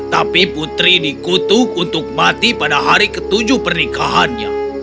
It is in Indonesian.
tapi putri dikutuk untuk mati pada hari ketujuh pernikahannya